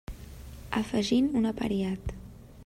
Afegint un apariat.